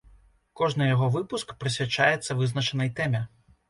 Кожны яго выпуск прысвячаецца вызначанай тэме.